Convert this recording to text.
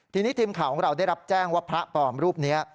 ทีนี้ทีมข่าวของเราได้รับแจ้งว่าพระปลอมรูปนี้